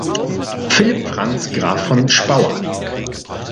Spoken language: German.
Philipp Franz Graf von Spaur.